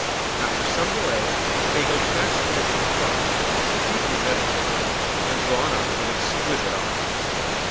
After some delay Fagel transmitted a reply, deeply meditated, and drawn up with exquisite art.